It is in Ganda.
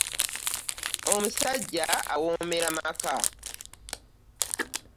Omusajja awoomera maka.